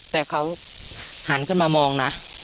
แต่เขาหันขึ้นมามองนะ